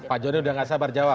pak joni udah gak sabar jawab